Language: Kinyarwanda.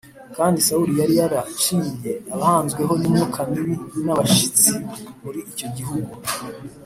kandi sawuli yari yaraciye abahanzweho n’imyuka mibi n’abashitsi muri icyo gihugu